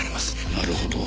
なるほど。